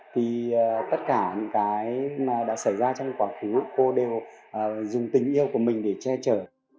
thì tất cả những cái mà đã xảy ra trong quá khứ cô đều dùng tình yêu của mình để che chở